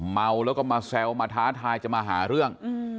เมาแล้วก็มาแซวมาท้าทายจะมาหาเรื่อง